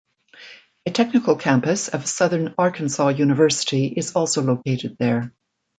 A technical campus of Southern Arkansas University is also located there.